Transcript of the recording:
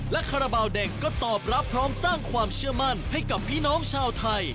และคาราบาลแดงก็ตอบรับพร้อมสร้างความเชื่อมั่นให้กับพี่น้องชาวไทย